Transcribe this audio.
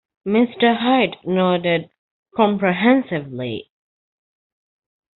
Mr. Haight nodded comprehensively.